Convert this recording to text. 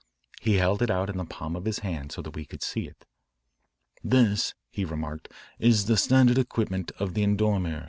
He held it out in the palm of his hand so that we could see it. "This," he remarked, "is the standard equipment of the endormeur.